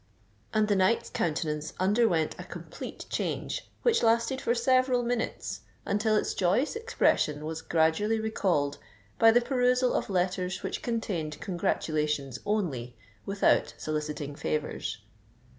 And the knight's countenance underwent a complete change, which lasted for several minutes, until its joyous expression was gradually recalled by the perusal of letters which contained congratulations only, without soliciting favours.